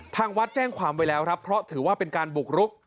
ทางวัดแจ้งความไว้แล้วครับเพราะถือว่าเป็นการบุกรุก